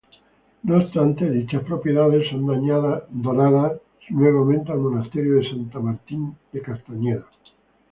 No obstante, dichas propiedades son donadas nuevamente al monasterio de San Martín Castañeda.